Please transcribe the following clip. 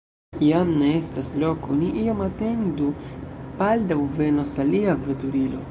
Jam ne estas loko, ni iom atendu, baldaŭ venos alia veturilo.